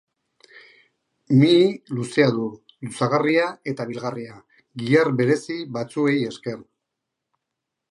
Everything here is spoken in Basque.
Mihi luzea du, luzagarria eta bilgarria, gihar berezi batzuei esker.